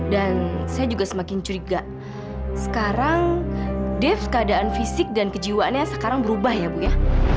dan saya juga semakin curiga sekarang dev keadaan fisik dan kejiwaannya sekarang berubah ya bu ya